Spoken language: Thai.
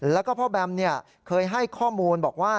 แล้วก็พ่อแบมเคยให้ข้อมูลบอกว่า